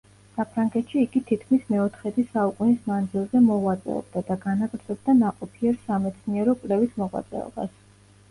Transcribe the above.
საფრანგეთში იგი თითქმის მეოთხედი საუკუნის მანძილზე მოღვაწეობდა და განაგრძობდა ნაყოფიერ სამეცნიერო-კვლევით მოღვაწეობას.